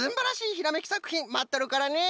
ひらめきさくひんまっとるからね。